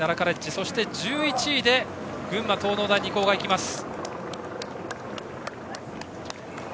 そして１１位で群馬・東農大二高が行きました。